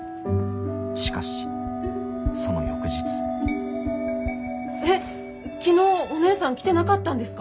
しかしその翌日。えっ昨日お姉さん来てなかったんですか？